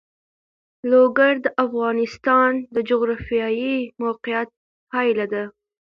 لوگر د افغانستان د جغرافیایي موقیعت پایله ده.